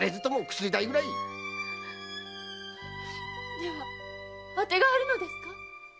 では当てがあるのですね？